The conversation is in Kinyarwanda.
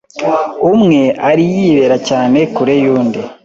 umwe ari yibera kure cyane y’undi.